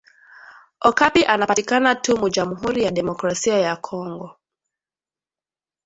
Okapi anapatikana tu mu jamhuri ya democrasia ya kongo